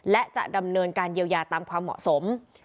และจะดำเนินการเยียวยาตามความเหมาะสม